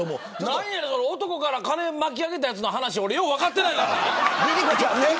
男から金巻き上げたやつの話よう分かってないからな。